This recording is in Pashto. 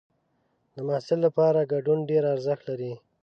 د محصل لپاره ګډون ډېر ارزښت لري.